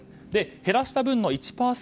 減らした分の１％